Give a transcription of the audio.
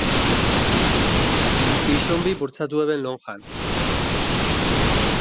Lonjan bi gizonek bortxatu egin zuten.